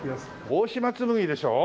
大島紬でしょ？